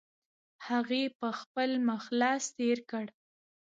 هغې په خپل مخ لاس تېر کړ.